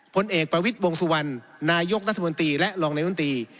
ผลเอกประวิทย์วงสุวรรณนายกรัฐมนตรีและรองนายมนตรี